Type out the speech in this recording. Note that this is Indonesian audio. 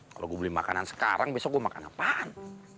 kalau gue beli makanan sekarang besok gue makan apaan